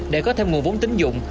để có thêm nguồn vốn tính dụng